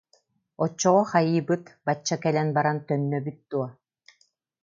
Оччоҕо хайыыбыт, бачча кэлэн баран төннөбүт дуо